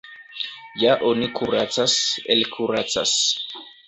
Ja oni kuracas, elkuracas.